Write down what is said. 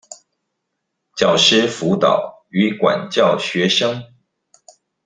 教師輔導與管教學生